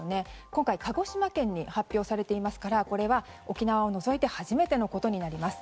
今回、鹿児島県に発表されていますからこれは沖縄を除いて初めてのことになります。